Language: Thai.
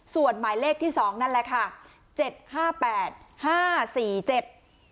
ส่วนหมายเลขที่สองนั่นแหละค่ะเจ็ดห้าแปดห้าสี่เจ็ด